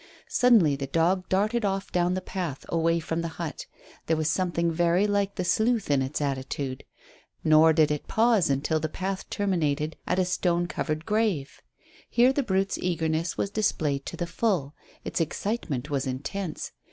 Suddenly the dog darted off down the path, away from the hut. There was something very like the sleuth in its attitude. Nor did it pause until the path terminated at a stone covered grave. Here the brute's eagerness was displayed to the full. Its excitement was intense.